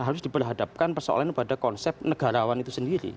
harus diperhadapkan persoalan pada konsep negarawan itu sendiri